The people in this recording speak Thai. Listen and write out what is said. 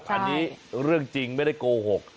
อันนี้เรื่องจริงไม่ได้โกหก